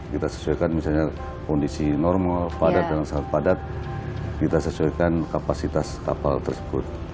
kita sesuaikan misalnya kondisi normal padat dan sangat padat kita sesuaikan kapasitas kapal tersebut